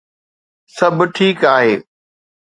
سڀ ٺيڪ آهي